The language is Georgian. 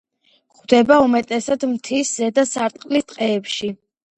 გვხვდება უმეტესად მთის ზედა სარტყლის ტყეებში.